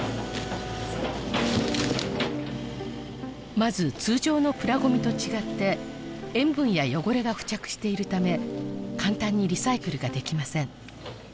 まず通常のプラごみと違って塩分や汚れが付着しているため簡単にリサイクルができません